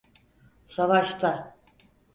Savaşta.